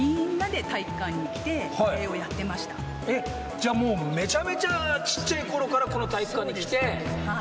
じゃあ、もうめちゃめちゃ小さいころから体育館に来て。